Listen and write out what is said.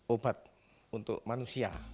obat untuk manusia